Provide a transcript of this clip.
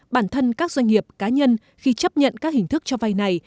bản thân các doanh nghiệp cá nhân khi chấp nhận các hình thức cho vay này